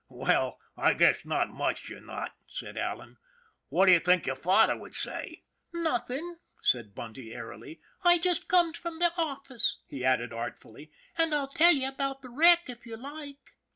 " Well, I guess not much, you're not," said Allan, " What do you think your father would say ?"" Nothing," said Bunty, airily. " I just corned from the office," he added artfully, " and I'll tell you about the wreck if you like."